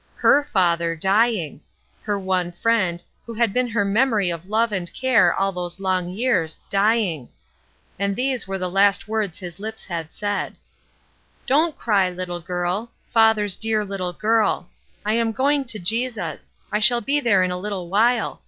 Her father, dying her one friend, who had been her memory of love and care all these long years, dying and these were the last words his lips had said: "Don't cry, little girl father's dear little girl. I am going to Jesus. I shall be there in a little while.